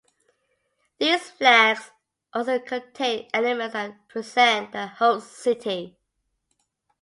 These flags usually contain elements that represent the host city.